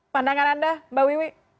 pandangan anda mbak wiwi